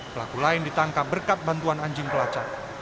pelaku lain ditangkap berkat bantuan anjing pelacak